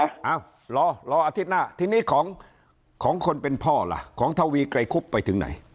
เอ้ารอรออาทิตย์หน้าทีนี้ของคนเป็นพ่อล่ะของทวีไกรคุบไปถึงไหน